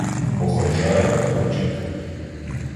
Походжає поручик.